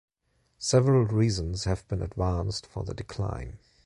Several reasons have been advanced for the decline.